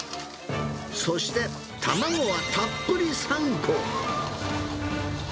そして卵はたっぷり３個。